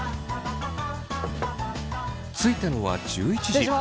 着いたのは１１時。